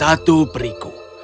dan satu periku